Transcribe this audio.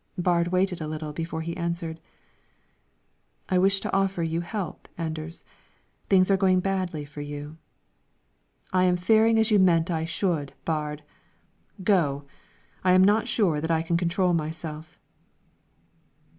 Baard waited a little before he answered, "I wish to offer you help, Anders; things are going badly for you." "I am faring as you meant I should, Baard! Go, I am not sure that I can control myself."